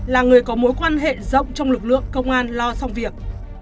là người có mối quan hệ rộng trong lực lượng công an lo xong việc